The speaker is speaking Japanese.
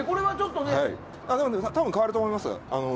多分、変わると思います。